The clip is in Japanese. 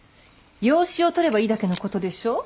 養子を取ればいいだけのことでしょう。